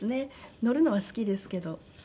乗るのは好きですけど。